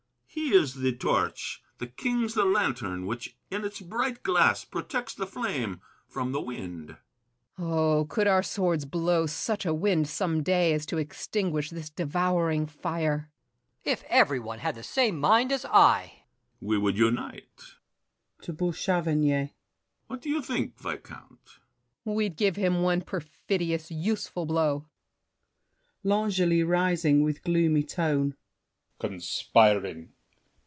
He is the torch: the King's the lantern which In its bright glass protects the flame from wind. BOUCHAVANNES. Oh, could our swords blow such a wind some day As to extinguish this devouring fire! ROCHEBARON. If every one had the same mind as I! BRICHANTEAU. We would unite— [To Bouchavannes.] What do you think, Viscount? BOUCHAVANNES. We'd give him one perfidious, useful blow! L'ANGELY (rising, with gloomy tone). Conspiring!